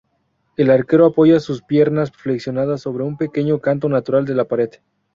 El arquero apoya sus piernas flexionadas sobre un pequeño canto natural de la pared.